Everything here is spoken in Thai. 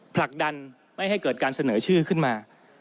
ผลักดันไม่ให้เกิดการเสนอชื่อขึ้นมา